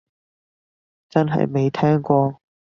真係未聽過